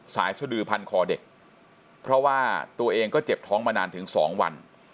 สายสดือพันคอเด็กเพราะว่าตัวเองก็เจ็บท้องมานานถึง๒วัน